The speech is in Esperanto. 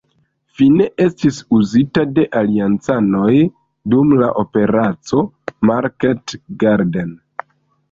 Fine estis uzita de Aliancanoj dum la Operaco Market Garden.